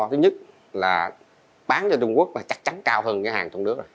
thứ nhất là bán cho trung quốc là chắc chắn cao hơn cái hàng trung quốc rồi